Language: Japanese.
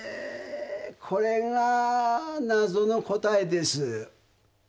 これが謎の答えです。